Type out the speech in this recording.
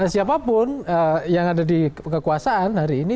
siapapun yang ada di kekuasaan hari ini